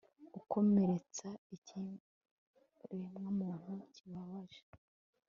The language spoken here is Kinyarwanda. gukomeretsa ikiremwamuntu kibabaje